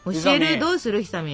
どうするひさみん？